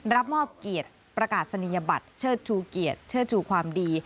รับมอบเกียรติประกาศนียบัตรเชิดชูเกียรติเชิดชูความดี